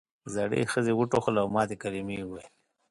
زړې ښځې وټوخل او ماتې کلمې یې وویل.